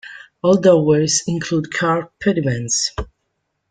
All doorways include carved pediments.